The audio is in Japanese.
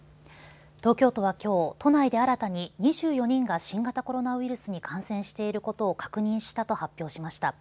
東京都は、きょう都内で新たに２４人が新型コロナウイルスに感染していることを確認したと発表しました。